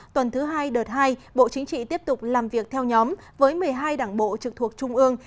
tuần thứ hai đợt hai bộ chính trị tiếp tục làm việc theo nhóm với một mươi hai đảng bộ trực thuộc trung ương